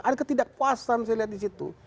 ada ketidakpuasan saya lihat disitu